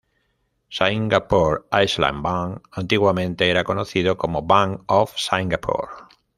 Singapore Island Bank antiguamente era conocido como Bank of Singapore.